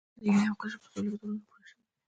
د هیلیم قشر په څو الکترونونو پوره شوی دی؟